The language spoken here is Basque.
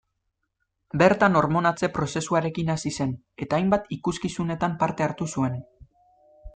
Bertan hormonatze-prozesuarekin hasi zen eta hainbat ikuskizunetan parte hartu zuen.